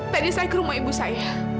tadi saya ke rumah ibu saya